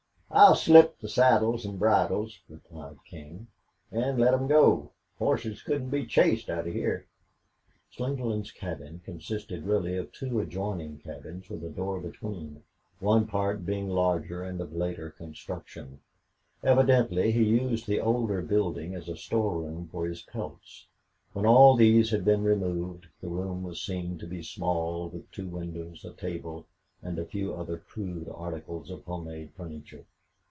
"I'll slip the saddles an' bridles," replied King, "an' let 'em go. Hosses couldn't be chased out of heah." Slingerland's cabin consisted really of two adjoining cabins with a door between, one part being larger and of later construction. Evidently he used the older building as a storeroom for his pelts. When all these had been removed the room was seen to be small, with two windows, a table, and a few other crude articles of home made furniture.